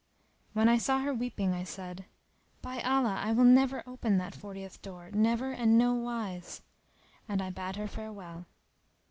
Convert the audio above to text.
When I saw her weeping I said, "By Allah I will never open that fortieth door, never and no wise!" and I bade her farewell.